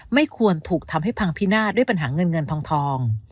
ไม่ควรถูกทำให้พังพินาศด้วยปัญหาเงินเงินทอง